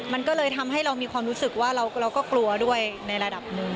มันก็เลยทำให้เรามีความรู้สึกว่าเราก็กลัวด้วยในระดับหนึ่ง